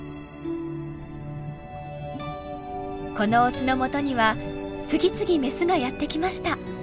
このオスのもとには次々メスがやって来ました。